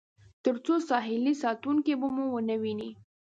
تر څو ساحلي ساتونکي مو ونه وویني.